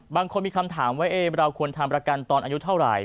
บางคนมีคำถามว่าเราควรทำประกันตอนอายุเท่าไหร่